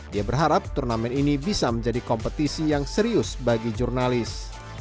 dia berharap turnamen ini bisa menjadi kompetisi yang serius bagi jurnalis